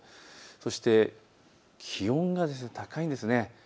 そして気温が高いんです。